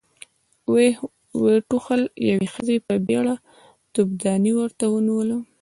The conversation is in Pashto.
ويې ټوخل، يوې ښځې په بيړه توفدانۍ ورته ونېوله.